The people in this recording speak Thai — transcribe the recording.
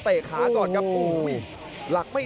ดาบดำเล่นงานบนเวลาตัวด้วยหันขวา